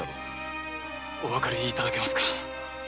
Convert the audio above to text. おわかりいただけますか？